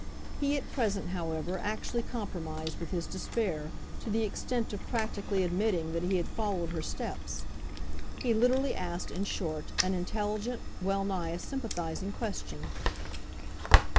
He at present, however, actually compromised with his despair to the extent of practically admitting that he had followed her steps. He literally asked, in short, an intelligent, well nigh a sympathising, question.